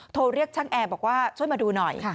โทรเรียกช่างแอร์บอกว่าช่วยมาดูหน่อย